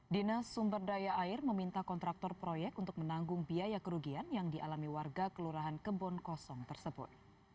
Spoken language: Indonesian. dinas sumber daya air meminta kontraktor proyek untuk menanggung biaya kerugian yang dialami warga kelurahan kebon kosong tersebut